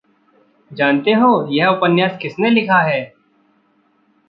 जानते हो यह उपन्यास किसने लिखा है?